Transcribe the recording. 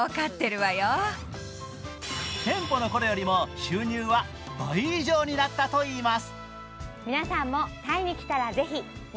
店舗のころよりも収入は倍以上になったといいます。